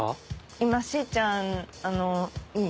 今しーちゃんあのいい？